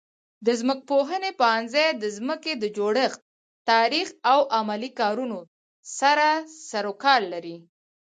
د ځمکپوهنې پوهنځی د ځمکې د جوړښت، تاریخ او عملي کارونو سره سروکار لري.